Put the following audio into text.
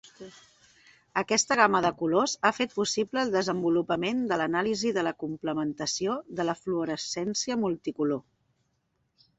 Aquesta gama de colors ha fet possible el desenvolupament de l'anàlisi de la complementació de la fluorescència multicolor.